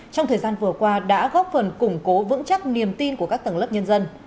trong thời gian vừa qua đã góp phần củng cố vững chắc niềm tin của các tầng lớp nhân dân